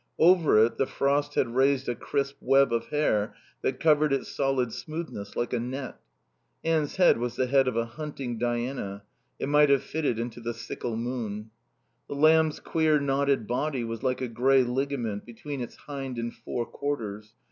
Over it the frost had raised a crisp web of hair that covered its solid smoothness like a net. Anne's head was the head of a hunting Diana; it might have fitted into the sickle moon. The lamb's queer knotted body was like a grey ligament between its hind and fore quarters.